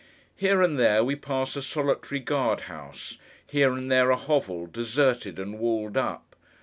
Here and there, we pass a solitary guard house; here and there a hovel, deserted, and walled up.